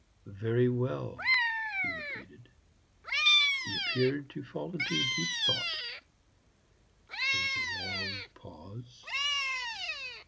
"Very well," he repeated. He appeared to fall into deep thought. There was a long pause.